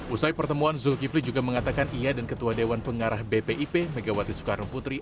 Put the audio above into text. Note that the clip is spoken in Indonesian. usai pertemuan zulkifli juga mengatakan ia dan ketua dewan pengarah bpip megawati soekarno putri